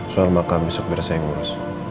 soal makam besok biar saya ngurus